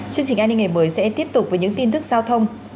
chương trình an ninh ngày mới sẽ tiếp tục với những tin tức giao thông